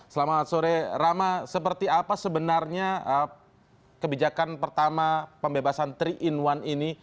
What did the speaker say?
selamat sore rama seperti apa sebenarnya kebijakan pertama pembebasan tiga in satu ini